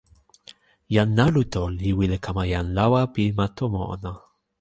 jan Naluto li wile kama jan lawa pi ma tomo ona.